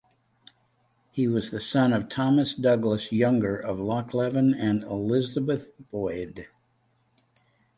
He was the son of Thomas Douglas younger of Lochleven and Elizabeth Boyd.